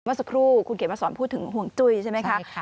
เมื่อสักครู่คุณเขียนมาสอนพูดถึงห่วงจุ้ยใช่ไหมคะ